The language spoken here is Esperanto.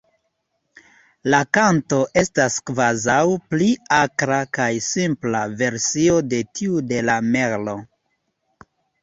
La kanto estas kvazaŭ pli akra kaj simpla versio de tiu de la Merlo.